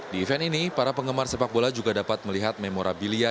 di event ini para penggemar sepak bola juga dapat melihat memorabilia